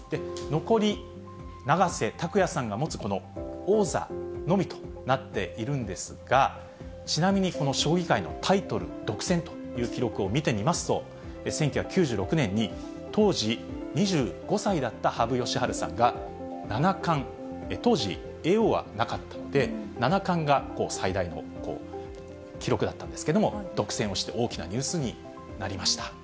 残り、永瀬拓矢さんが持つこの王座のみとなっているんですが、ちなみにこの将棋界のタイトル独占という記録を見てみますと、１９９６年に、当時２５歳だった羽生善治さんが、七冠、当時叡王はなかったので、七冠が最大の記録だったんですけども、独占をして大きなニュースになりました。